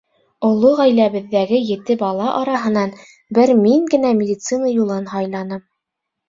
Оло ғаиләбеҙҙәге ете бала араһынан бер мин генә медицина юлын һайланым.